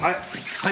はい。